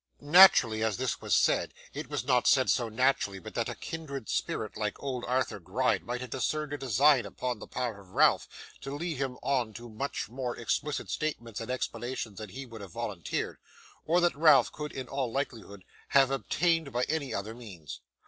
Naturally as this was said, it was not said so naturally but that a kindred spirit like old Arthur Gride might have discerned a design upon the part of Ralph to lead him on to much more explicit statements and explanations than he would have volunteered, or that Ralph could in all likelihood have obtained by any other means.